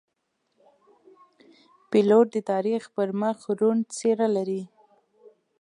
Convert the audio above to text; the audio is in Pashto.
پیلوټ د تاریخ پر مخ روڼ څېره لري.